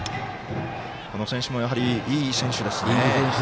この選手もやはりいい選手ですね。